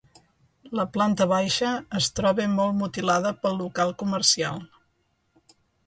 La planta baixa es troba molt mutilada pel local comercial.